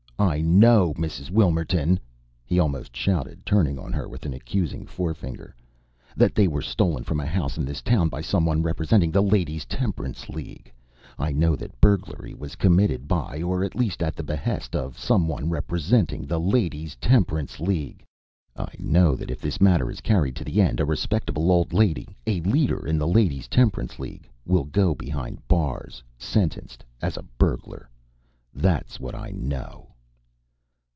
I know, Mrs. Wilmerton," he almost shouted, turning on her with an accusing forefinger, "that they were stolen from a house in this town by some one representing the Ladies' Temperance League. I know that burglary was committed by, or at the behest of, some one representing the Ladies' Temperance League! I know that, if this matter is carried to the end, a respectable old lady a leader in the Ladies' Temperance League will go behind the bars, sentenced as a burglar! That's what I know!"